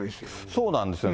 そうなんですよ。